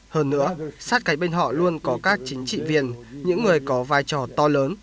hơn nữa sát cánh bên họ luôn có các chính trị viên những người có vai trò to lớn